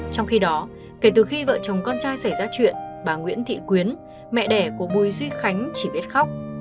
trong khi đó kể từ khi vợ chồng con trai xảy ra chuyện bà nguyễn thị quyến mẹ đẻ của bùi duy khánh chỉ biết khóc